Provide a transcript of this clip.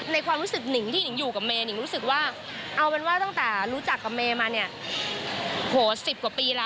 ในความรู้สึกที่ให้อยู่กับเมเอาเป็นว่าตั้งแต่รู้จักกับเมมาเนี่ย